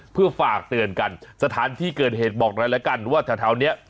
เพื่อฝากเตือนกันสถานที่เกินเหตุบอกแล้วละกันว่าถ้าเท่านี้